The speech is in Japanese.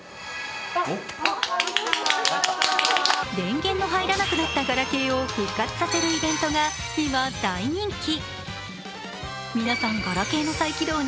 電源の入らなかったガラケーを復活させるイベントが今、大人気。